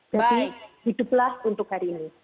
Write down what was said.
jadi hiduplah untuk hari ini